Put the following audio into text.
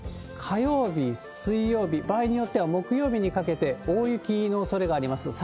火曜日、水曜日、場合によっては木曜日にかけて大雪のおそれがあります。